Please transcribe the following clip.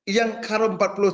yang kalau empat puluh tahun itu